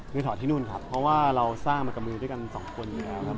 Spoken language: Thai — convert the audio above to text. ถอดที่นู่นครับเพราะว่าเราสร้างมากับมือด้วยกันสองคนอยู่แล้วครับ